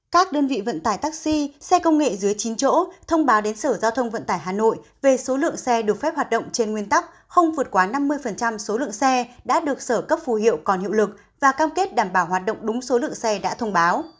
các đơn vị vận tải taxi xe công nghệ dưới chín chỗ thông báo đến sở giao thông vận tải hà nội về số lượng xe được phép hoạt động trên nguyên tắc không vượt quá năm mươi số lượng xe đã được sở cấp phù hiệu còn hiệu lực và cam kết đảm bảo hoạt động đúng số lượng xe đã thông báo